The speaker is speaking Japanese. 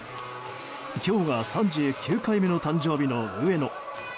今日が３９回目の誕生日の上野。